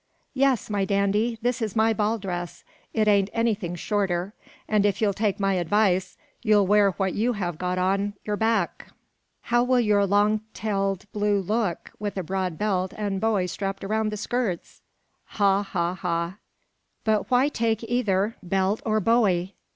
"Yes, my dandy; this is my ball dress: it ain't anything shorter; and if you'll take my advice, you'll wear what you have got on your back. How will your long tailed blue look, with a broad belt and bowie strapped round the skirts? Ha! ha! ha!" "But why take either belt or bowie?